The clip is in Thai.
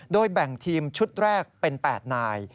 โดยแบ่งทีมชุดแรกเป็น๘นาย